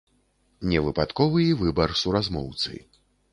Не выпадковы і выбар суразмоўцы.